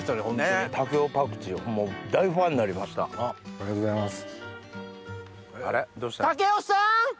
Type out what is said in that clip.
ありがとうございます！